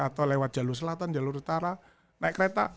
atau lewat jalur selatan jalur utara naik kereta